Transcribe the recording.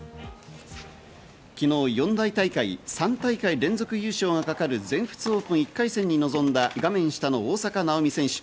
昨日、四大大会、３大会連続優勝が懸かる全仏オープン１回戦に臨んだ画面下の大坂選手。